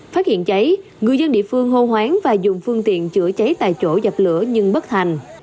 phát hiện cháy người dân địa phương hô hoáng và dùng phương tiện chữa cháy tại chỗ dập lửa nhưng bất thành